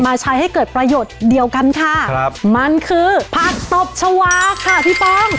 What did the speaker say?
ใช้ให้เกิดประโยชน์เดียวกันค่ะครับมันคือผักตบชาวาค่ะพี่ป้อง